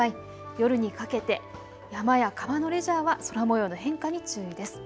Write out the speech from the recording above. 夜にかけて山や川のレジャーは空もようの変化に注意です。